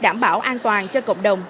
đảm bảo an toàn cho cộng đồng